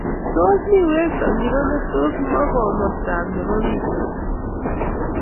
Tos mi werto ngiro netos mwaa komostab nebo Peter pan